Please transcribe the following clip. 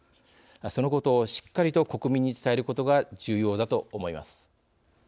そのことをしっかりと国民に伝えることが重要だと思います。